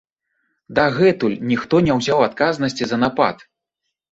Дагэтуль ніхто не ўзяў адказнасці за напад.